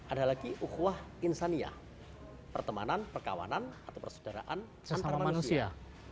ada lagi ukhwah insaniyah pertemanan perkawanan atau persaudaraan antara manusia